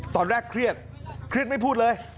ตอนแรกเครียดเครียดไม่พูดเลย